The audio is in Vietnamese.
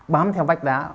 bám theo vách đá